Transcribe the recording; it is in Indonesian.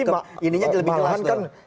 keberpihakannya lebih jelas tuh